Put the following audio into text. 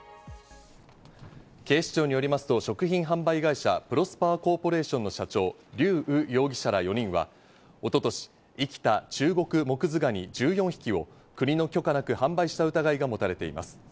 警視庁によりますと、食品販売会社プロスパーコーポレーションの社長、リュウ・ウ容疑者ら４人は、一昨年、生きたチュウゴクモクズガニ１４匹を国の許可なく販売した疑いが持たれています。